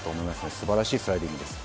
素晴らしいスライディングです。